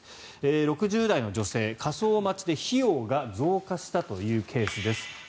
６０代の女性火葬待ちで、費用が増加したというケースです。